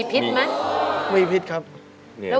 เพลงที่๑มูลค่า๑๐๐๐๐บาท